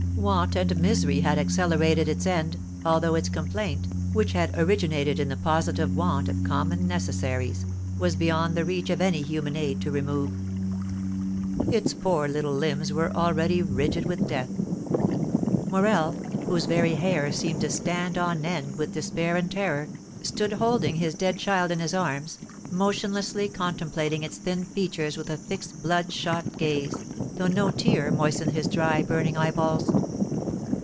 Want and misery had accelerated its end, although its complaint, which had originated in the positive want of common necessaries, was beyond the reach of any human aid to remove. Its poor little limbs were already rigid with death. Morel, whose very hair seemed to stand on end with despair and terror, stood holding his dead child in his arms, motionlessly contemplating its thin features with a fixed bloodshot gaze, though no tear moistened his dry, burning eyeballs.